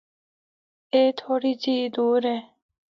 اے تھوڑی جی ای دور ہے۔